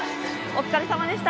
お疲れさまです。